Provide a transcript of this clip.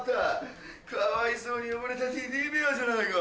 かわいそうに汚れたテディベアじゃないか。